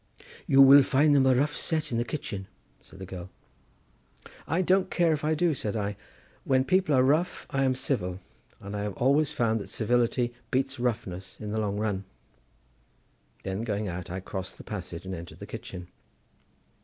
"You will find them a rough set in the kitchen," said the girl. "I don't care if I do," said I; "when people are rough I am civil, and I have always found that civility beats roughness in the long run." Then going out I crossed the passage and entered the kitchen.